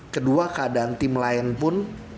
kedua keadaan tim lain pun